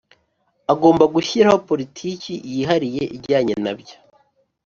agomba gushyiraho politiki yihariye ijyanye na byo